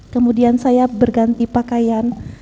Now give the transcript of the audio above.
kemudian saya berganti pakaian